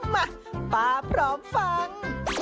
มาป้าพร้อมฟัง